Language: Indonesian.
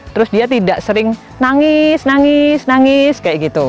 terus dia tidak sering nangis nangis kayak gitu